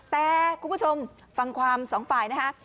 แต่คุณผู้ชมฟังความสองฝ่ายนะคะ